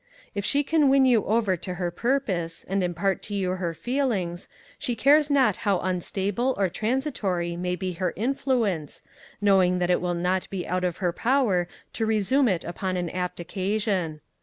If she can win you over to her purpose, and impart to you her feelings, she cares not how unstable or transitory may be her influence, knowing that it will not be out of her power to resume it upon an apt occasion.